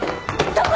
どこ？